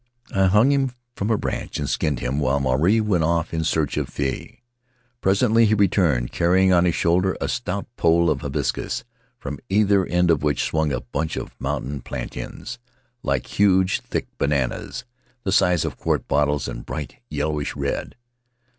I hung him from a branch and skinned him while Maruae went off in search oifei. Presently he returned, carrying on his shoulder a stout pole of hibiscus, from either end of which swung a bunch of the mountain plantains, like huge, thick bananas, the size of quart bottles and bright yellowish red.